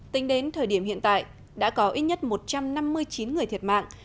tính đến thời điểm hiện tại đã có ít nhất một trăm năm mươi chín người thiệt mạng